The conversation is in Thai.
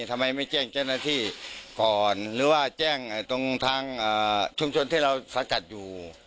ทำไมไม่แจ้งเจ้าหน้าที่ก่อนหรือว่าแจ้งตรงทางชุมชนที่เราสกัดอยู่